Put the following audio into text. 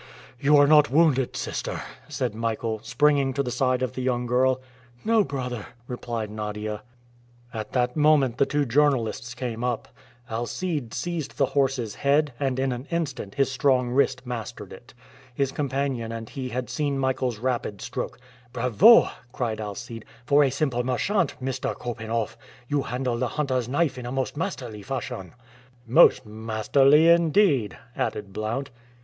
"You are not wounded, sister?" said Michael, springing to the side of the young girl. "No, brother," replied Nadia. At that moment the two journalists came up. Alcide seized the horse's head, and, in an instant, his strong wrist mastered it. His companion and he had seen Michael's rapid stroke. "Bravo!" cried Alcide; "for a simple merchant, Mr. Korpanoff, you handle the hunter's knife in a most masterly fashion." "Most masterly, indeed," added Blount.